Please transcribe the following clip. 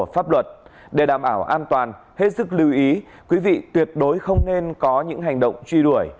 về đảm ảo an toàn hết sức lưu ý quý vị tuyệt đối không nên có những hành động truy đuổi